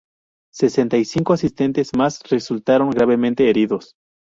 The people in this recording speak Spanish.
Sesenta y cinco asistentes más resultaron gravemente heridos.